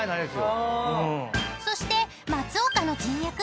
［そして松岡の人脈。